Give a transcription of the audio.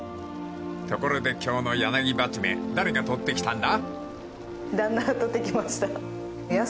［ところで今日の柳バチメ誰が捕ってきたんだ？］